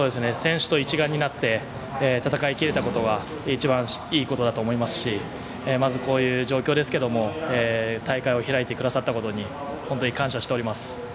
選手と一丸になって勝てたことが一番いいことだと思いますしまずこういう状況ですが大会を開いてくださったことに本当に感謝しております。